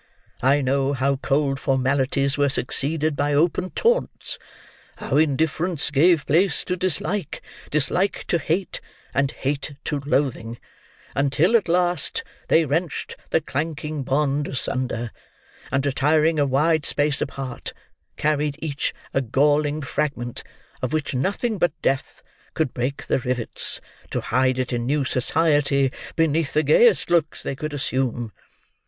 I know how cold formalities were succeeded by open taunts; how indifference gave place to dislike, dislike to hate, and hate to loathing, until at last they wrenched the clanking bond asunder, and retiring a wide space apart, carried each a galling fragment, of which nothing but death could break the rivets, to hide it in new society beneath the gayest looks they could assume.